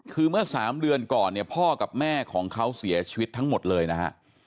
คือเมื่อ๓เดือนก่อนเนี่ยพ่อกับแม่ของเขาเสียชีวิตทั้งหมดเลยนะฮะ